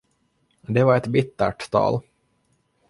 Det var ett bittert tal.